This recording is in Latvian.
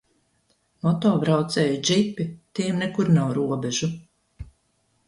Moto braucēji, džipi - tiem nekur nav robežu.